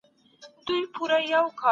ستا په ليدو مي